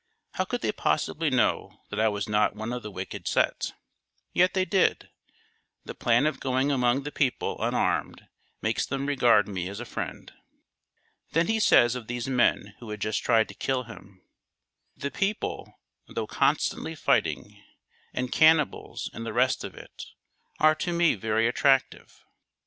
How could they possibly know that I was not one of the wicked set? Yet they did.... The plan of going among the people unarmed makes them regard me as a friend." Then he says of these men who had just tried to kill him: "The people, though constantly fighting, and cannibals and the rest of it, are to me very attractive."